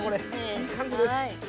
いい感じです。